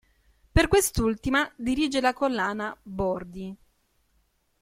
Per quest'ultima dirige la collana "Bordi".